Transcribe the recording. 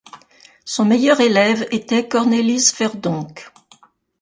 Son meilleur élève était Cornelis Verdonck.